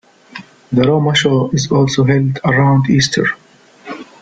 The Roma Show is also held around Easter.